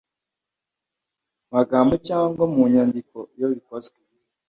magambo cyangwa mu nyandiko iyo bikozw